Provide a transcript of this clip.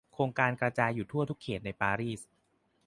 โครงการกระจายอยู่ทั่วทุกเขตในปารีส